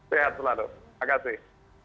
sehat selalu terima kasih